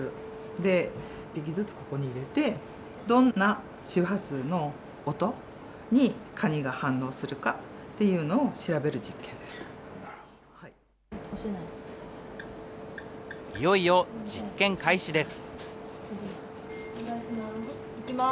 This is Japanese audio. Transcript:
で、１匹ずつここに入れて、どんな周波数の音にカニが反応するかいよいよ実験開始です。